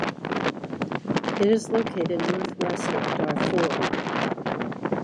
It is located north west of Dartford.